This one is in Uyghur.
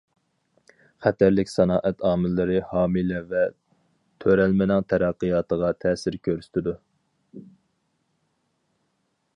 خەتەرلىك سانائەت ئامىللىرى ھامىلە ۋە تۆرەلمىنىڭ تەرەققىياتىغا تەسىر كۆرسىتىدۇ.